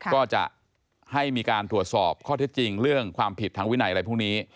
ก็จะให้มีการตรวจสอบข้อเท็จจริงเรื่องความผิดทางวินัยอะไรพวกนี้